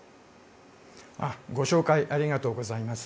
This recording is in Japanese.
ご紹介ありがとうございます。